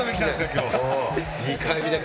今日。